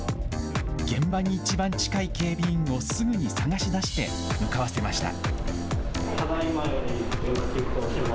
現場に一番近い警備員をすぐに探し出して向かわせました。